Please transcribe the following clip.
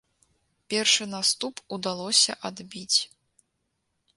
Першы наступ удалося адбіць.